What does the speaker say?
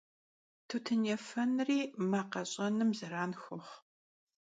Тутын ефэнри мэ къэщӀэным зэран хуохъу.